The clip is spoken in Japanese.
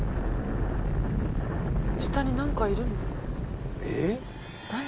下に何かいるの？何？